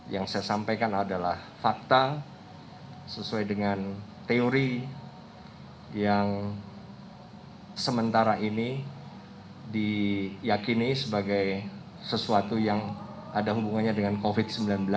yang saya sampaikan adalah fakta sesuai dengan teori yang sementara ini diyakini sebagai sesuatu yang ada hubungannya dengan covid sembilan belas